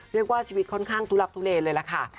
เรียกว่าชีวิตค่อนข้างทุลักทุเลเลยล่ะค่ะ